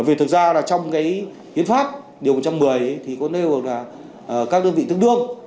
vì thực ra là trong cái hiến pháp điều một trăm một mươi thì có nêu là các đơn vị tương đương